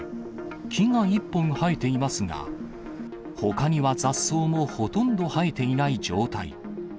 木が１本生えていますが、ほかには雑草もほとんど生えていない状態。